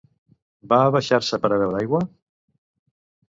Va abaixar-se per a beure aigua?